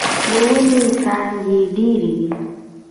د ونې څانګې ډيرې دې.